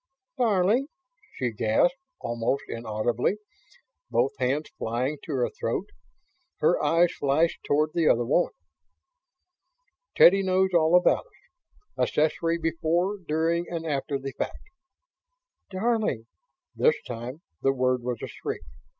"Darling?" she gasped, almost inaudibly, both hands flying to her throat. Her eyes flashed toward the other woman. "Teddy knows all about us accessory before, during and after the fact." "Darling!" This time, the word was a shriek.